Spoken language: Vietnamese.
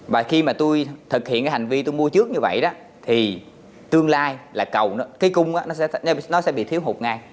và khi mà tôi thực hiện cái hành vi tôi mua trước như vậy đó thì tương lai là cầu cái cung nó sẽ bị thiếu hụt ngay